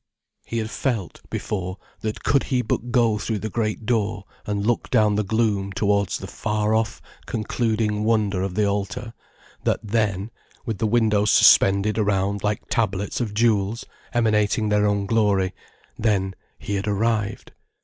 He had felt, before, that could he but go through the great door and look down the gloom towards the far off, concluding wonder of the altar, that then, with the windows suspended around like tablets of jewels, emanating their own glory, then he had arrived.